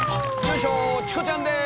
チコちゃんです！